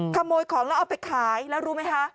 ขโมยของแล้วเอาไปขายแล้วรู้ไหมคะ